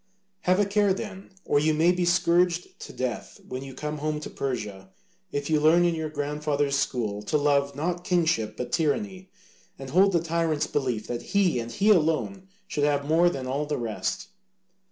Have a care then, or you may be scourged to death when you come home to Persia, if you learn in your grandfather's school to love not kingship but tyranny, and hold the tyrant's belief that he and he alone should have more than all the rest."